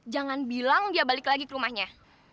jangan bilang dia balik lagi ke rumahnya